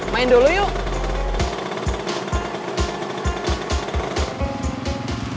main dulu yuk